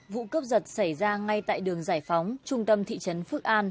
vụ cướp giật xảy ra ngay tại đường giải phóng trung tâm thị trấn phước an